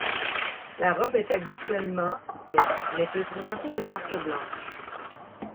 La robe est habituellement baie, mais peut présenter des marques blanches.